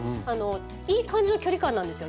いい感じの距離感なんですよ